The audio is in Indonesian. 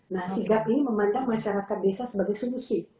nah sigap ini memandang masyarakat desa sebagai solusi